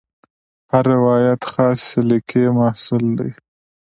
هر روایت خاصې سلیقې محصول دی.